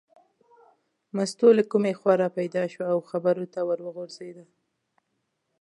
مستو له کومې خوا را پیدا شوه او خبرو ته ور وغورځېده.